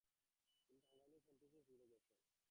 তিনি টাঙ্গাইলের সন্তোষে ফিরে আসেন।